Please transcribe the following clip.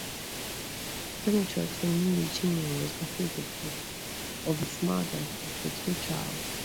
Dominatrix Renee Chignall was acquitted of his murder after three trials.